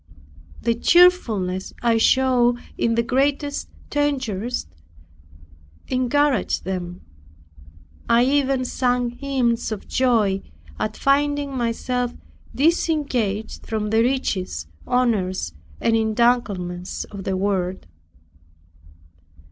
The cheerfulness I showed in the greatest dangers encouraged them. I even sang hymns of joy at finding myself disengaged from the riches, honors and entanglements of the world.